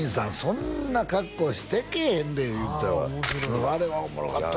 そんな格好してけえへんで言うてたわ「あれはおもろかった」